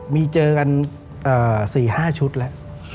มีเจอกัน๔๕ชุดแล้ว